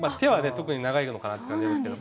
特に長いのかなって感じですけど。